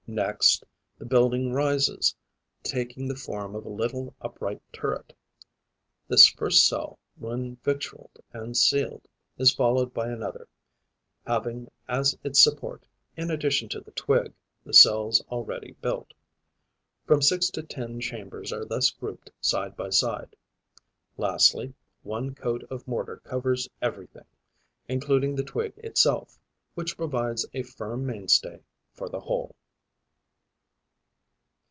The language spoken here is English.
Next, the building rises, taking the form of a little upright turret. This first cell, when victualled and sealed, is followed by another, having as its support, in addition to the twig, the cells already built. From six to ten chambers are thus grouped side by side. Lastly, one coat of mortar covers everything, including the twig itself, which provides a firm mainstay for the whole.